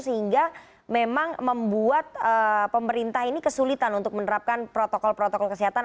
sehingga memang membuat pemerintah ini kesulitan untuk menerapkan protokol protokol kesehatan